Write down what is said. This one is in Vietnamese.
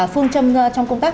phương châm trong công tác